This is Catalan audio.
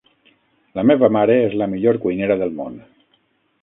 La meva mare és la millor cuinera del món!